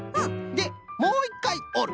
でもういっかいおる。